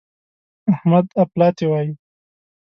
احمد اپلاتي وايي.